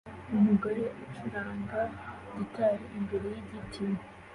Umugore acuranga gitari imbere yigiti